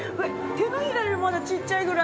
手のひらよりもまだちっちゃいぐらいだ。